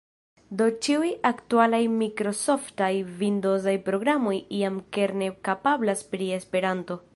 Do ĉiuj aktualaj mikrosoftaj vindozaj programoj jam kerne kapablas pri Esperanto.